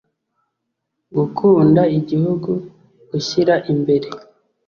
gukunda igihugu gushyira imbere